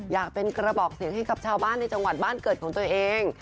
อยากเป็นกระบอกเสียงให้กับชาวบ้านในจังหวัดบ้านเกิดของตัวเอง